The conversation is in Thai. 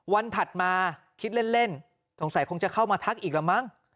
ถัดมาคิดเล่นสงสัยคงจะเข้ามาทักอีกแล้วมั้ง